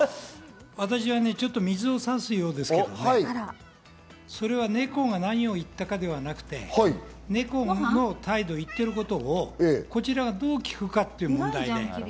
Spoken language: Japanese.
私はちょっと水を差すようですけどそれは猫が何を言ったかではなくて、猫は言っていることをこちらがどう聞くかという問題。